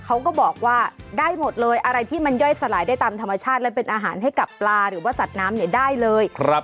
เขาก็บอกว่าได้หมดเลยอะไรที่มันย่อยสลายได้ตามธรรมชาติและเป็นอาหารให้กับปลาหรือว่าสัตว์น้ำเนี่ยได้เลย